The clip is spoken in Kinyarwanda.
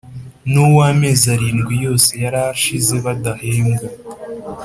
nuw’amezi arindwi yose yari ashize badahembwa